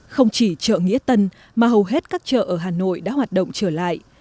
không chỉ chợ nghĩa tân mà hầu hết các chợ ở hà nội đã hoạt động trở lại